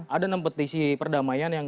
ada enam petisi perdamaian